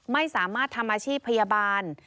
ไม่สามารถทำอาชีพพยาบาล